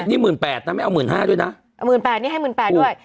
นี่นี่หมื่นแปดนะไม่เอาหมื่นห้าด้วยนะเอาหมื่นแปดนี่ให้หมื่นแปดด้วย